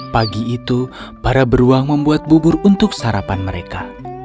pagi itu para beruang membuat bubur untuk sarapan mereka